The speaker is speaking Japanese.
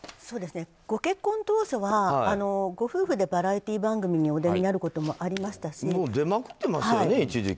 ご結婚当初は、ご夫婦でバラエティー番組にお出になることもありましたし。出まくってましたよね、一時期。